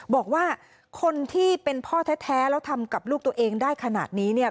บอกว่าคนที่เป็นพ่อแท้แล้วทำกับลูกตัวเองได้ขนาดนี้เนี่ย